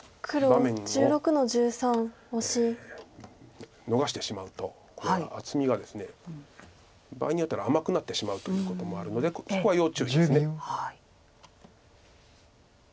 場面を逃してしまうとこれは厚みがですね場合によっては甘くなってしまうということもあるのでそこは要注意です。